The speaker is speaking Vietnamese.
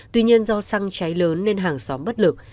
tuy nhiên do xăng cháy lớn nên hàng xóm bất lực